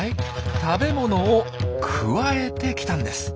食べ物をくわえてきたんです。